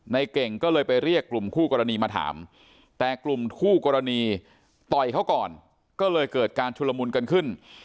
เก่งก็เลยไปเรียกกลุ่มคู่กรณีมาถามแต่กลุ่มคู่กรณีต่อยเขาก่อนก็เลยเกิดการชุลมุนกันขึ้น